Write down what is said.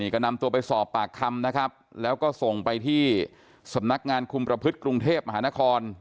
ก็นำตัวไปสอบปากคำนะครับแล้วก็ส่งไปที่สำนักงานคุมประพฤติกรุงเทพมหานคร